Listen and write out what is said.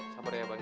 sabar ya bang